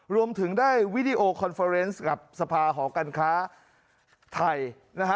รวมถึงได้วิดีโอคอนเฟอร์เนส์กับสภาหอการค้าไทยนะฮะ